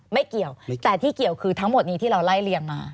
ไม่เกี่ยวแต่ที่เกี่ยวคือทั้งหมดนี้ที่เราไล่เรียงมา